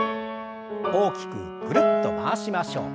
大きくぐるっと回しましょう。